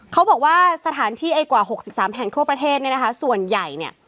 เขาบอกว่าสถานที่ไอ้กว่าหกสิบสามแห่งทั่วประเทศเนี่ยนะคะส่วนใหญ่เนี่ย